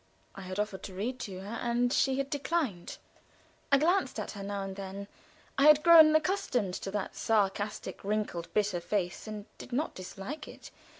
I had offered to read to her, and she had declined. I glanced at her now and then. I had grown accustomed to that sarcastic, wrinkled, bitter face, and did not dislike it.